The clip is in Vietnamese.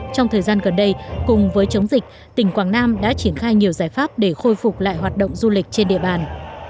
trong thời gian gần đây cùng với chống dịch tỉnh quảng nam đã triển khai nhiều giải pháp để khôi phục lại hoạt động du lịch trên địa bàn